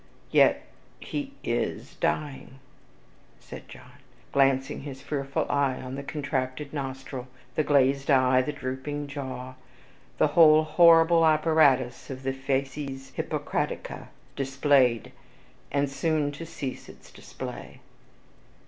Yet he IS dying," said John, glancing his fearful eye on the contracted nostril, the glazed eye, the drooping jaw, the whole horrible apparatus of the facies Hippocraticae displayed, and soon to cease its display.